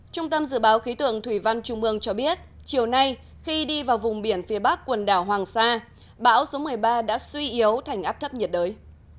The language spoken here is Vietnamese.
trung tâm dự báo khí tượng thủy văn trung ương cho biết chiều nay khi đi vào vùng biển phía bắc quần đảo hoàng sa bão số một mươi ba đã suy yếu thành áp thấp nhiệt đới